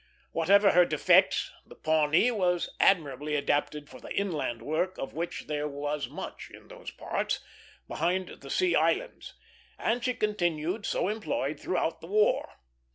Whatever her defects, the Pawnee was admirably adapted for the inland work of which there was much in those parts, behind the sea islands; and she continued so employed throughout the war.